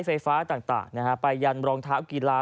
ไฟฟ้าต่างต่างไปอย่างรองเท้ากีฬา